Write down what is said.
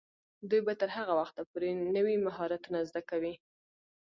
دوی به تر هغه وخته پورې نوي مهارتونه زده کوي.